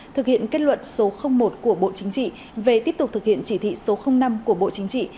thực hiện kết luận số một của bộ chính trị về tiếp tục thực hiện chỉ thị số năm của bộ chính trị